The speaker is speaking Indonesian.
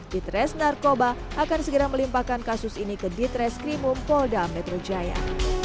ditres narkoba akan segera melimpahkan kasus ini ke ditreskrimum polda metro jaya